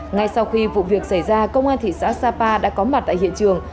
ngay sau khi vụ việc xảy ra công an thị xã sapa đã có mặt tại hiện trường